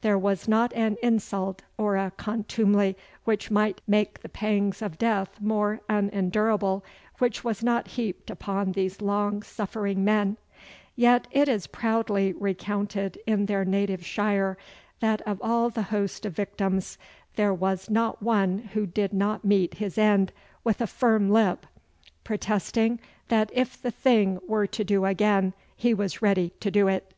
There was not an insult or a contumely which might make the pangs of death more unendurable, which was not heaped upon these long suffering men; yet it is proudly recounted in their native shire that of all the host of victims there was not one who did not meet his end with a firm lip, protesting that if the thing were to do again he was ready to do it.